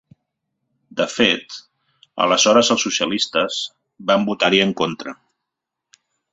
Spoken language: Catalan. De fet, aleshores els socialistes van votar-hi en contra.